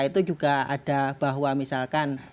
itu juga ada bahwa misalkan